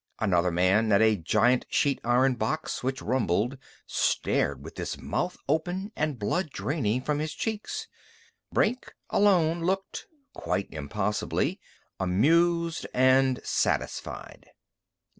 Another man, at a giant sheet iron box which rumbled, stared with his mouth open and blood draining from his cheeks. Brink, alone, looked quite impossibly amused and satisfied.